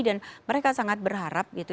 mereka sangat berharap gitu